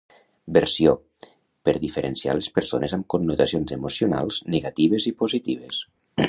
versió" per diferenciar les persones amb connotacions emocionals negatives i positives.